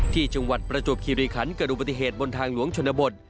จังหวัดประจวบคิริคันเกิดอุบัติเหตุบนทางหลวงชนบท